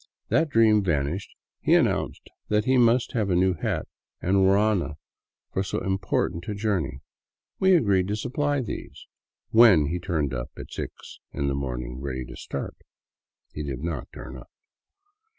That dream vanished, he announced that he must have a new hat and ruana for " so important a journey." We agreed to supply these — when he turned up at six in the morning ready to start. He did not turn up.